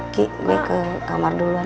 ki gue ke kamar duluan